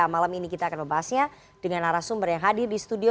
malam ini kita akan membahasnya dengan arah sumber yang hadir di studio